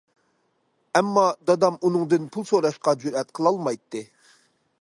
ئەمما دادام ئۇنىڭدىن پۇل سوراشقا جۈرئەت قىلالمايتتى.